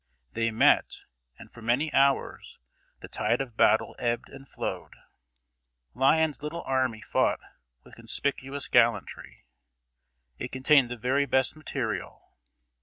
They met, and for many hours the tide of battle ebbed and flowed. Lyon's little army fought with conspicuous gallantry. It contained the very best material.